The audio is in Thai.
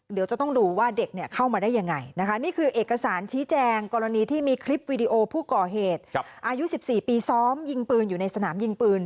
เดี๋ยวจะต้องดูว่าเด็กเนี่ยเข้ามาได้ยังไงนะคะนี่คือเอกสารชี้แจงกรณีที่มีคลิปวีดีโอผู้ก่อเหตุอายุ๑๔ปีซ้อมยิงปืนอยู่ในสนามยิงปืน